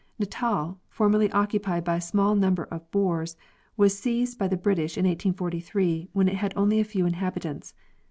Natal, formally occupied by a small number of boers, was seized by the British in 1843, when it had only a few inhabitants.